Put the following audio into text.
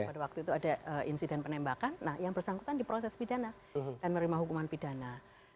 pada waktu itu ada insiden penembakan nah yang bersangkutan diproses pidana dan menerima hukuman pidana